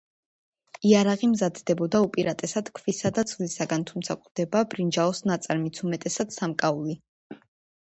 იარაღი მზადდებოდა უპირატესად ქვისა და ძვლისაგან, თუმცა გვხვდება ბრინჯაოს ნაწარმიც, უმეტესად, სამკაული.